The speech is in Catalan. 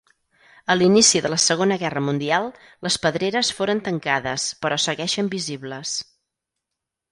A l'inici de la Segona Guerra Mundial, les pedreres foren tancades però segueixen visibles.